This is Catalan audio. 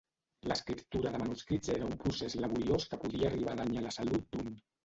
L'escriptura de manuscrits era un procés laboriós que podia arribar a danyar la salut d'un.